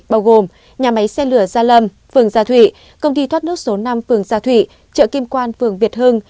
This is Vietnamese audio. bao gồm nhà máy xe lửa gia lâm phường gia thụy công ty thoát nước số năm phường gia thụy chợ kim quan phường việt hưng